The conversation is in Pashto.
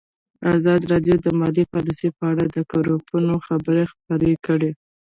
ازادي راډیو د مالي پالیسي په اړه د کارپوهانو خبرې خپرې کړي.